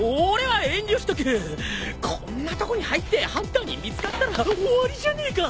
こんなとこに入ってハンターに見つかったら終わりじゃねーか。